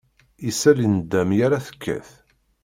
Isel i nnda mi ara tekkat.